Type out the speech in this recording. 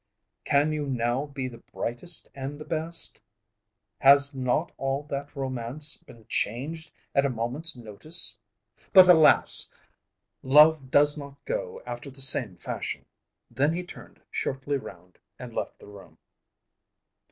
Can you now be the brightest and the best? Has not all that romance been changed at a moment's notice? But, alas! love does not go after the same fashion." Then he turned shortly round and left the room.